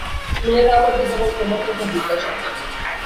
মেয়েরা আমাকে কেবল তোমার কথা জিজ্ঞাসা করে।